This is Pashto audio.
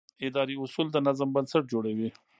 اداري اصول د نظم بنسټ جوړوي.